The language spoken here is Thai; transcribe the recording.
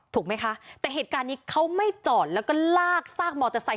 ถูกไหมคะแต่เหตุการณ์นี้เขาไม่จอดแล้วก็ลากซากมอเตอร์ไซค